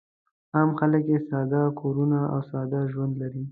عام خلک یې ساده کورونه او ساده ژوند لري.